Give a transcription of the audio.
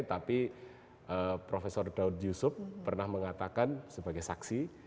tapi prof daud yusuf pernah mengatakan sebagai saksi